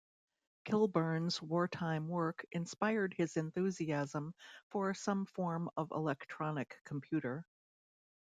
Kilburn's wartime work inspired his enthusiasm for some form of electronic computer.